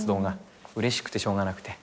うれしくてしょうがなくて。